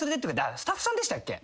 あっスタッフさんでしたっけ？